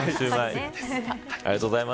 ありがとうございます。